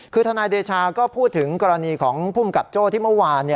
คือทนายเดชาก็พูดถึงกรณีของภูมิกับโจ้ที่เมื่อวาน